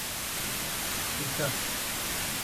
Icatu